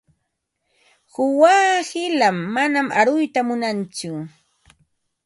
Quwaa qilam, manam aruyta munantsu.